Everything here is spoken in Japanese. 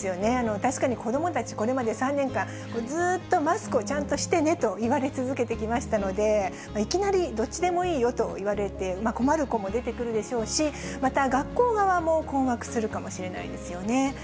確かに子どもたち、これまで３年間、ずっとマスクをちゃんとしてねと言われ続けてきましたので、いきなりどっちでもいいよと言われて困る子も出てくるでしょうし、また学校側も困惑するかもしれないですよね。